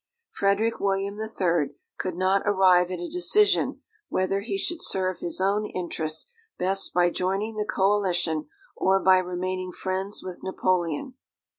Frederick William III could not arrive at a decision whether he should serve his own interests best by joining the coalition or by remaining friends with Napoleon.